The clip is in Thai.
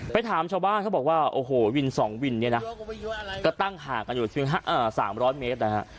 ถามชาวบ้านเขาบอกว่าโอ้โหวิน๒วินเนี่ยนะก็ตั้งห่างกันอยู่๓๐๐เมตรนะฮะ